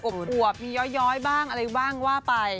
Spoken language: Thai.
วบมีย้อยบ้างอะไรบ้างว่าไป